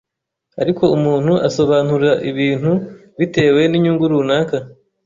ariko umuntu asobanura ibintu bitewe n’inyungu runaka